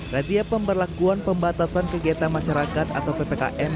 radia pemberlakuan pembatasan kegiatan masyarakat atau ppkn